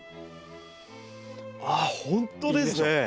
あほんとですね。